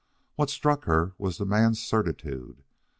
What struck her was the man's certitude.